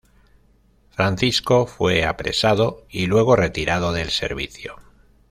Francisco fue apresado y luego retirado del servicio.